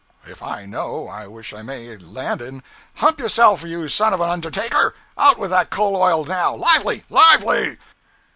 If I know, I wish I may land in _hump yourself, you son of an undertaker! out with that coal oil, now, lively, lively!